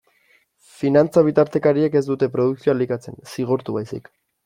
Finantza-bitartekariek ez dute produkzioa elikatzen, zigortu baizik.